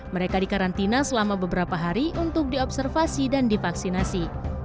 mereka dikarantina selama beberapa hari untuk diobservasi dan divaksinasi